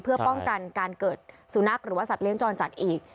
เพื่อป้องกันการเกิดสุนัขหรือว่าสัตว์จรจัดอีก